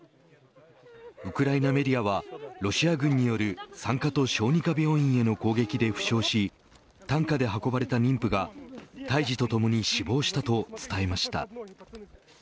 ウクライナメディアはロシア軍による産科と小児科病院への攻撃で負傷し担架で運ばれた妊婦が胎児とともに死亡したと伝えました。